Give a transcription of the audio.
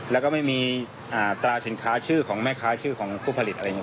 แล้วก็ไม่มีตราสินค้าชื่อของแม่ค้าชื่อของผู้ผลิตอะไรอย่างนี้